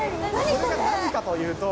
これが何かというと。